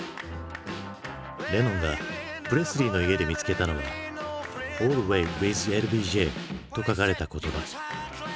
レノンがプレスリーの家で見つけたのは「ＡｌｌｗａｙｗｉｔｈＬＢＪ」と書かれた言葉。